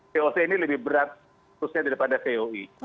voc ini lebih berat khususnya daripada coi